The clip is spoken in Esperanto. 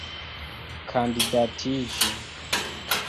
kandidatiĝi